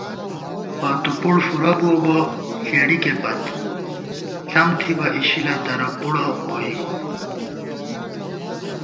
پاتُو پُڑ فُورہ بُوَہ بہ ݪېڑِکے پت ، ݪم تھِبہ اِشِلہ درہ پُڑہ ووئی